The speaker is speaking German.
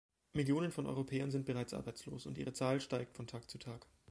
Millionen von Europäern sind bereits arbeitslos, und ihre Zahl steigt von Tag zu Tag.